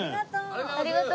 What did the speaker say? ありがとう！